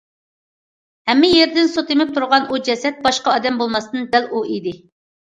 ھەممە يېرىدىن سۇ تېمىپ تۇرغان ئۇ جەسەت باشقا ئادەم بولماستىن، دەل ئۇ ئىدى.